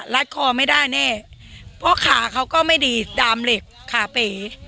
รัดคอไม่ได้แน่เพราะขาเขาก็ไม่ดีดามเหล็กขาเป๋